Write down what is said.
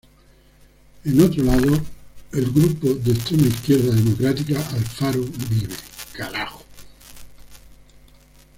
En otro lado el grupo de extrema izquierda democrática Alfaro Vive ¡Carajo!